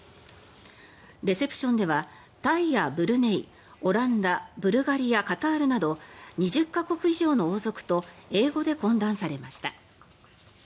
レセプションではタイやブルネイオランダブルガリア、カタールなど２０か国以上の王族と英語で懇談されました。